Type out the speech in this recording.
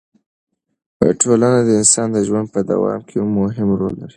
ټولنه د انسان د ژوند په دوام کې مهم رول لري.